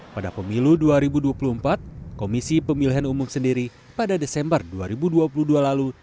pada pemilu dua ribu dua puluh empat komisi pemilihan umum sendiri pada desember dua ribu dua puluh dua lalu